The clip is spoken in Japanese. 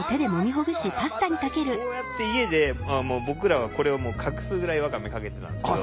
こうやって家でもう僕らはこれを隠すぐらいわかめかけてたんですけど。